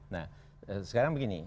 nah sekarang begini